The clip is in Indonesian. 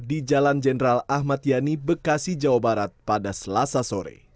di jalan jenderal ahmad yani bekasi jawa barat pada selasa sore